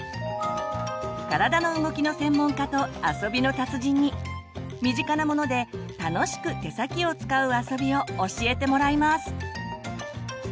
体の動きの専門家と遊びの達人に身近なもので楽しく手先を使う遊びを教えてもらいます！